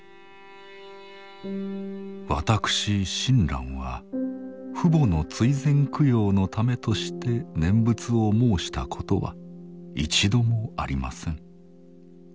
私親鸞は父母の追善供養のためとして念仏を申したことは一度もありません。